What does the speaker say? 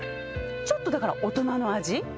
ちょっとだから大人の味。